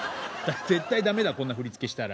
絶対駄目だこんな振り付けしたら。